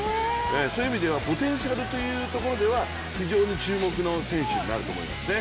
そういう意味ではポテンシャルというところでは非常に注目の選手になると思いますね。